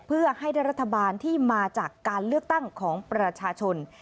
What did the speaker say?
เพื่อให้ได้รัฐบาลที่มาจากการเลือกตั้งของประชาชน